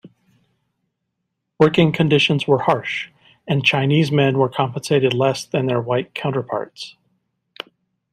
Working conditions were harsh, and Chinese men were compensated less than their white counterparts.